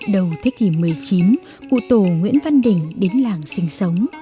đầu thế kỷ một mươi chín cụ tổ nguyễn văn đỉnh đến làng sinh sống